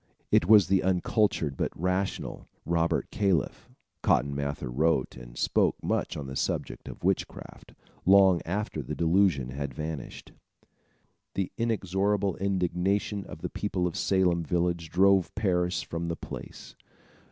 It was the uncultured, but rational, Robert Calef. Cotton Mather wrote and spoke much on the subject of witchcraft, long after the delusion had vanished. [Illustration: Cotton Mather.] The inexorable indignation of the people of Salem Village drove Parris from the place.